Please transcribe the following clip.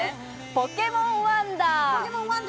ポケモンワンダー。